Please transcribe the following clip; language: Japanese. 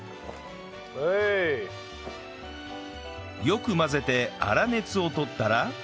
よく混ぜて粗熱をとったら